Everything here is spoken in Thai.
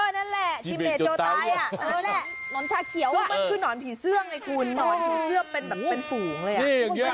เออนั่นแหละทีมเดชโจ๊ตายนอนชาเขียวมันคือหนอนผีเสื้อไงคุณหนอนผีเสื้อเป็นฝูงเลย